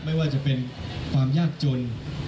ไม่ว่าจะเป็นความยากจน